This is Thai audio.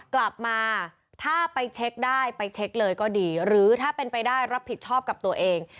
กลับมาถ้าไปเช็คได้ไปเช็คเลยก็ดีหรือถ้าเป็นไปได้รับผิดชอบกับตัวเอง